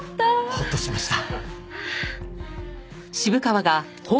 ホッとしました。